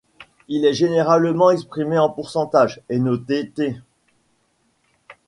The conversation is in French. Il est généralement exprimé en pourcentage, et noté τ.